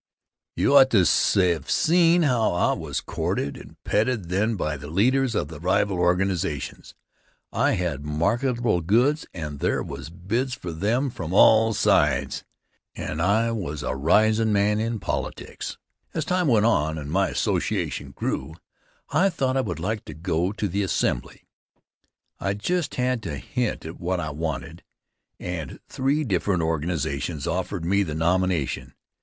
You ought to have seen how I was courted and petted then by the leaders of the rival organizations I had marketable goods and there was bids for them from all sides, and I was a risin' man in politics. As time went on, and my association grew, I thought I would like to go to the Assembly. 1 just had to hint at what I wanted, and three different organizations offered me the nomination.